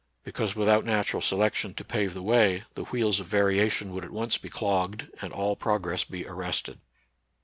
Because without natural selection to pave the way, the wheels of variation would at once be clogged and all progress be ar rested.